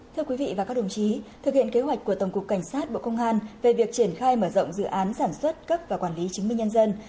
thưa quý vị và các đồng chí thực hiện kế hoạch của tổng cục cảnh sát bộ công an về việc triển khai mở rộng dự án sản xuất cấp và quản lý chứng minh nhân dân